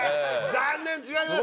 残念違います